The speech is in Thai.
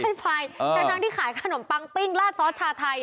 ทั้งที่ขายขนมปังปิ้งลาดซอสชาไทย